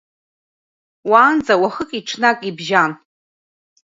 Уаанӡа уахыки-ҽнаки бжьан.